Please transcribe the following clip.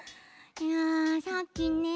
いやさっきね